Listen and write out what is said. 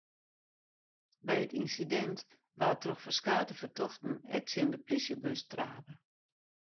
By it ynsidint waard troch ferskate fertochten ek tsjin de plysjebus trape.